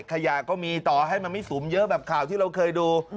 ขยะก็มีต่อให้มันไม่สูงเยอะแบบข่าวที่เราเคยดู